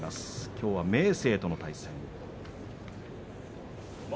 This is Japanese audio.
きょうは明生との対戦。